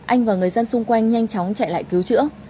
anh và người dân xung quanh nhanh chóng chạy lại cứu chữa